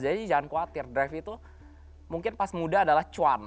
jadi jangan khawatir drive itu mungkin pas muda adalah cuan